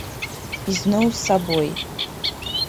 І зноў з сабой.